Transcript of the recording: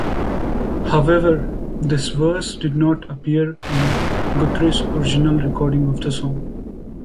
However, this verse did not appear in Guthrie's original recording of the song.